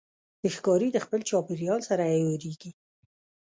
ښکاري د خپل چاپېریال سره عیارېږي.